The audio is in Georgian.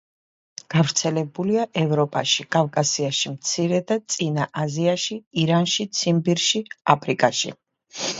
გავრცელებულია ევროპაში, კავკასიაში, მცირე და წინა აზიაში, ირანში, ციმბირში, აფრიკაში.